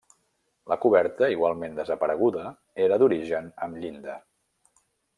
La coberta, igualment desapareguda, era d'origen amb llinda.